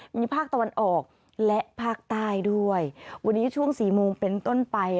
มีภาคตะวันออกและภาคใต้ด้วยวันนี้ช่วงสี่โมงเป็นต้นไป